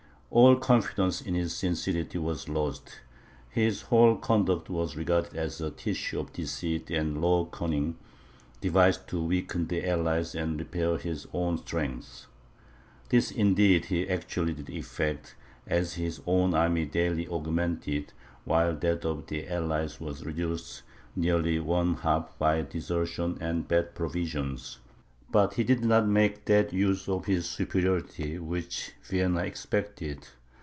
All confidence in his sincerity was lost; his whole conduct was regarded as a tissue of deceit and low cunning, devised to weaken the allies and repair his own strength. This indeed he actually did effect, as his own army daily augmented, while that of the allies was reduced nearly one half by desertion and bad provisions. But he did not make that use of his superiority which Vienna expected.